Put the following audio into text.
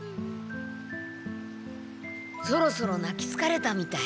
そろそろなきつかれたみたい。